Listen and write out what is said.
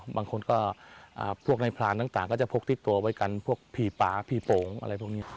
บางคนก็พวกในพรานต่างก็จะพกติดตัวไว้กันพวกพี่ป่าผีโป่งอะไรพวกนี้